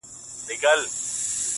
سپرېدل به پر ښايستو مستو آسونو؛